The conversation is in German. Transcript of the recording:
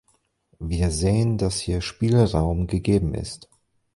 Wir sehen, dass hier Spielraum gegeben ist.